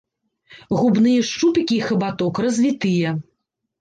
Губныя шчупікі і хабаток развітыя.